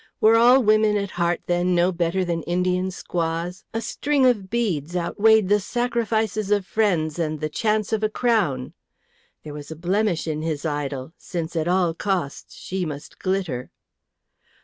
Were all women at heart, then, no better than Indian squaws? A string of beads outweighed the sacrifices of friends and the chance of a crown! There was a blemish in his idol, since at all costs she must glitter.